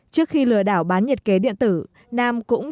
trước khi lừa đảo bán nhiệt kế điện tử nam cũng chung dụng